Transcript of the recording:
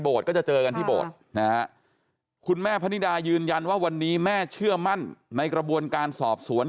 ก็จะเจอกันที่โบสถ์นะฮะคุณแม่พนิดายืนยันว่าวันนี้แม่เชื่อมั่นในกระบวนการสอบสวน